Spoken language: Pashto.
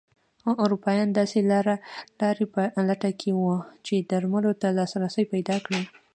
اروپایان داسې لارې په لټه کې وو چې درملو ته لاسرسی پیدا کړي.